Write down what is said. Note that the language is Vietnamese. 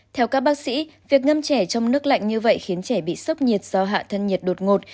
theo các bác sĩ việc ngâm trẻ trong nước lạnh như vậy khiến trẻ bị sốc nhiệt do hạ thân nhiệt đột ngột